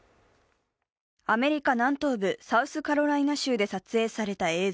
アメリカ南東部サウスカロライナ州で撮影された映像。